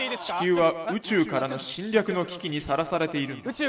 「地球は宇宙からの侵略の危機にさらされているんだ」。